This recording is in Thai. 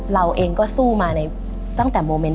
เราเองก็สู้มาในตั้งแต่โมเมนต์